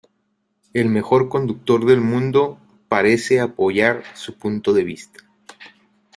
El mejor conductor del mundo "parece apoyar su punto de vista.